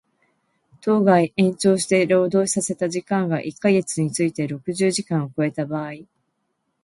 当該延長して労働させた時間が一箇月について六十時間を超えた場合